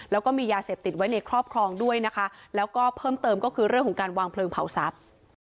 แล้วก็มียาเสพติดไว้ในครอบครองด้วยนะคะแล้วก็เพิ่มเติมก็คือเรื่องของการวางเพลิงเผาทรัพย์